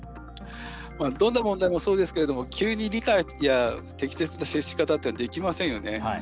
どんな問題もそうですけれども急に理解や適切な接し方っていうのはできませんよね。